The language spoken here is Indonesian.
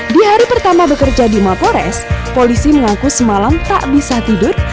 di hari pertama bekerja di mapores polisi mengaku semalam tak bisa tidur